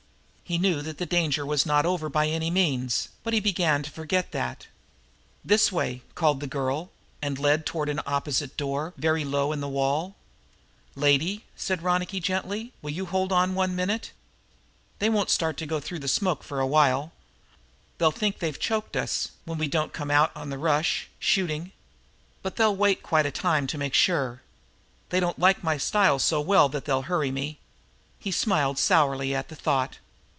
He knew that the danger was not over by any means, but he began to forget that. "This way!" called the girl and led toward an opposite door, very low in the wall. "Lady," said Ronicky gently, "will you hold on one minute? They won't start to go through the smoke for a while. They'll think they've choked us, when we don't come out on the rush, shooting. But they'll wait quite a time to make sure. They don't like my style so well that they'll hurry me." He smiled sourly at the thought.